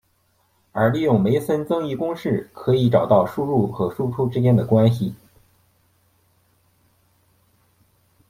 而利用梅森增益公式可以找到输入和输出之间的关系。